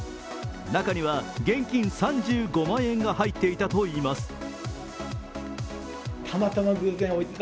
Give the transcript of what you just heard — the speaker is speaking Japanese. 中には現金３５万円が入っていたといいます。